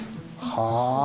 はあ。